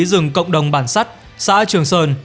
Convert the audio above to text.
quản lý rừng cộng đồng bản sắt xã trường sơn